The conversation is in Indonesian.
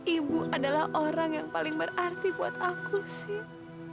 ibu adalah orang yang paling berarti buat aku sih